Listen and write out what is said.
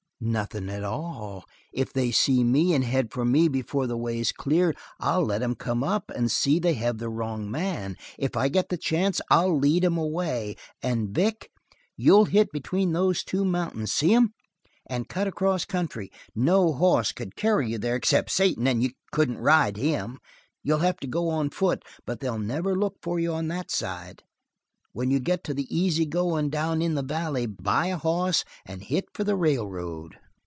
"Nothing at all. If they see me and head for me before the way's clear, I'll let 'em come up and see they have the wrong man. If I get the chance, I'll lead 'em away. And Vic, you'll hit between those two mountains see 'em? and cut across country. No hoss could carry you there, except Satan, and you couldn't ride him. You'll have to go on foot but they'll never look for you on that side. When you get to the easygoin', down in the valley, buy a hoss and hit for the railroad."